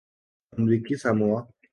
امریکی ساموآ